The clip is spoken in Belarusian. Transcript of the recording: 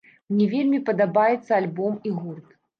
Мне вельмі падабаецца альбом і гурт.